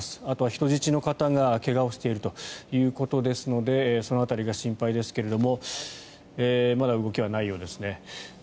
あとは人質の方が怪我をしているということですのでその辺りが心配ですがまだ動きはないようですね。